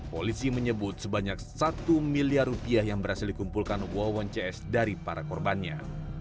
polisi menyebut sebanyak satu miliar rupiah yang berhasil dikumpulkan wawon cs dari para korbannya